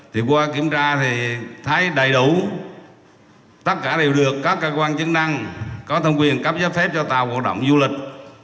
thì qua kiểm tra thì thấy đầy đủ tất cả đều được các cơ quan chứng năng có thông quyền cấp giá phép cho tàu hoạt động du lịch